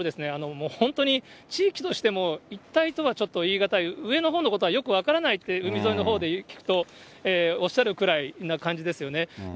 もう本当に地域としても、一体とはちょっと言い難い、上のほうのことはよく分からないって海沿いのほうで聞くとおっしゃるくらいの感じですよね。